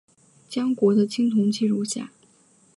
江国的青铜器如下。